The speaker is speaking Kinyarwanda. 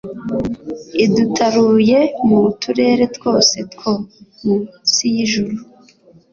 idutaruye mu turere twose two mu nsi y'ijuru